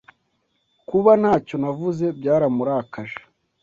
Kuba ntacyo navuze byaramurakaje.